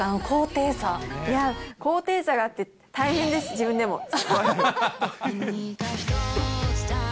高低差があって大変です、自分でも。